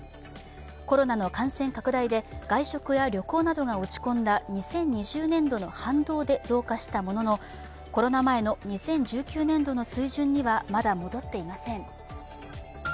コロナの感染拡大で外食や旅行などが落ち込んだ２０２０年度の反動で増加したもののコロナ前の２０１９年度の水準にはまだ戻っていません。